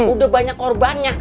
udah banyak korbannya